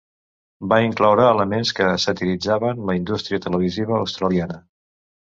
Va incloure elements que satiritzaven la indústria televisiva australiana.